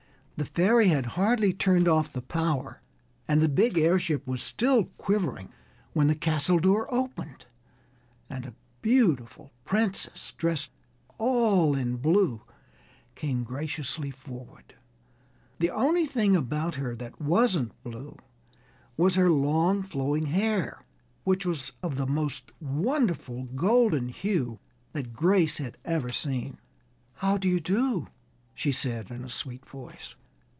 The fairy had hardly turned off the power, and the big airship was still quivering, when the castle door opened, and a beautiful princess, dressed all in blue, came graciously forward. The only thing about her that wasn't blue was her long flowing hair, which was of the most wonderful golden hue that Grace had ever seen. "How do you do?" she said in a sweet voice.